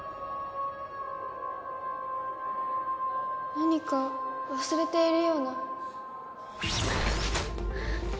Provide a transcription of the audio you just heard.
何か忘れているような。